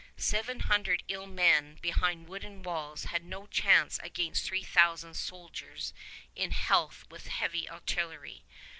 Seven hundred ill men behind wooden walls had no chance against three thousand soldiers in health with heavy artillery.